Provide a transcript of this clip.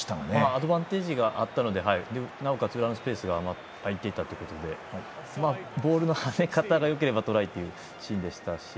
アドバンテージがあったのでなおかつ裏のスペースが空いてたということでボールの跳ね方がよければトライというシーンでした。